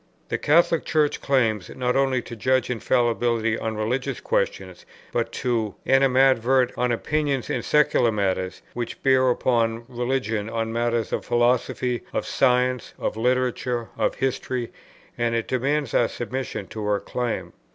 The Catholic Church claims, not only to judge infallibly on religious questions, but to animadvert on opinions in secular matters which bear upon religion, on matters of philosophy, of science, of literature, of history, and it demands our submission to her claim.